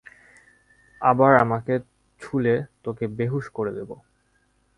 আবার আমাকে ছুঁলে, তোকে বেহুঁশ করে দেবো!